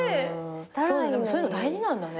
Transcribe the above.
そういうの大事なんだね。